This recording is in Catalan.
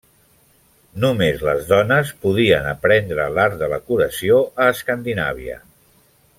Només les dones podien aprendre l'art de la curació a Escandinàvia.